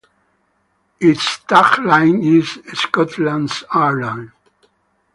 Its tag line is "Scotland's Airline".